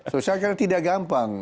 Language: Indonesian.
saya kira tidak gampang